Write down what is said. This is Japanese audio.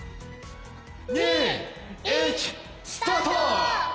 ２１スタート！